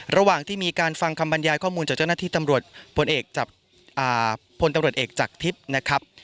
ระหว่างที่มีการฟังคำบรรยายข้อมูลจากเจ้าหน้าที่ตำรวจพลเอกจากพลตำรวจเอกจากทิพย์นะครับ